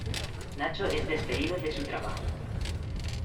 Nacho es despedido de su trabajo.